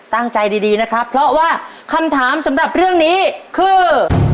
ตั้งใจดีนะครับเพราะว่าคำถามสำหรับเรื่องนี้คือ